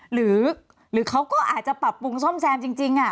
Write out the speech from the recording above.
หรือเขาก็อาจจะปรับปรุงซ่อมแซมจริง